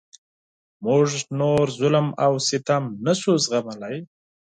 موږ نور ظلم او ستم نشو زغملای.